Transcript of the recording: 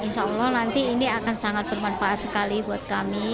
insya allah nanti ini akan sangat bermanfaat sekali buat kami